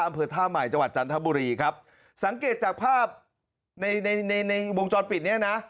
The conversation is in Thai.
อำเภอท่าใหม่จังหวัดจันทบุรีครับสังเกตจากภาพในในในวงจรปิดเนี้ยนะ